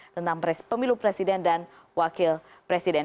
tentang pemilu presiden dan wakil presiden